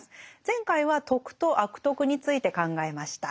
前回は「徳」と「悪徳」について考えました。